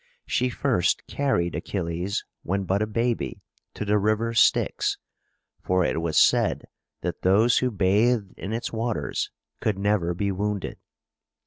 She first carried Achilles, when but a baby, to the river Styx, for it was said that those who bathed in its waters could never be wounded.